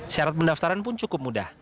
syarat pendaftaran pun cukup mudah